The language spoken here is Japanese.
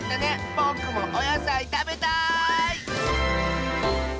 ぼくもおやさいたべたい！